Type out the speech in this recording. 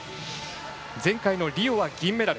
前回のリオは銀メダル。